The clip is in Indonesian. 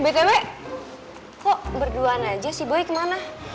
btw kok berduaan aja si boy kemana